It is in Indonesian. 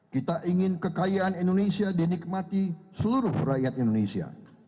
kita ingin kekayaan indonesia dinikmati seluruh rakyat indonesia